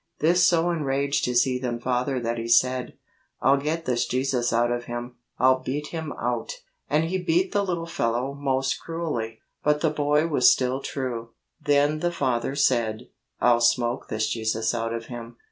This so enraged his heathen father that he said, ' I'll get this Jesus out of him ; I'll beat Him out.' And he beat the little fellow most cruelly. But the boy was still true. Then the father said, 'I'll smoke this Jesus out of him.